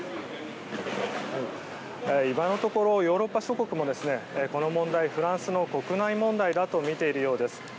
今のところヨーロッパ諸国もフランスの国内問題だとみているようです。